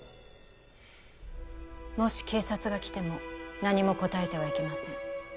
もし警察が来ても何も答えてはいけません